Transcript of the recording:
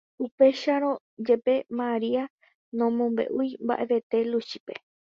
upéicharõ jepe, Maria nomombe'úi mba'evete Luchípe.